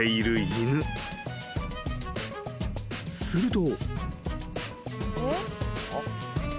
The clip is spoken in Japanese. ［すると］